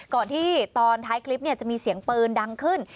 ก่อนที่ตอนท้ายคลิปจะมีเสียงปืนดังขึ้น